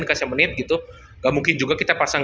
dikasih menit gitu mungkin juga kita pasang